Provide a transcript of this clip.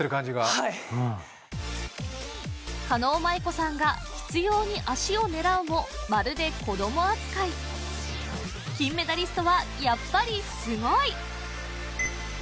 はい狩野舞子さんが執ように足を狙うもまるで子ども扱い金メダリストはやっぱりすごい！